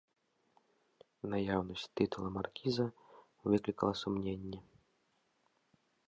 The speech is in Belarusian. Наяўнасць тытула маркіза выклікала сумненні.